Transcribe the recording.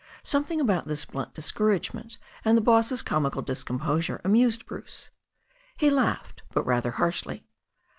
Something about this blunt discouragement and the boss's comical discomposure amused Bruce. He laughed, but rather harshly.